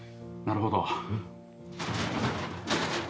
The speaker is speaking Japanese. なるほど。